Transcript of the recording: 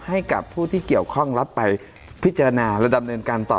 ให้กับผู้ที่เกี่ยวข้องรับไปพิจารณาและดำเนินการต่อ